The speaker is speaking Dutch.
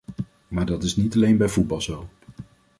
Maar dat is niet alleen bij voetbal zo.